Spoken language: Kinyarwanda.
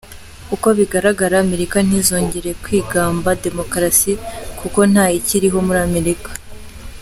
Uko bigaragara Amerika ntizongere kwigamba demokarasi kuko ntayikiriho muri Amerika.